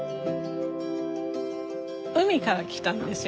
海から来たんですよ。